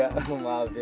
wah udah gak ada juga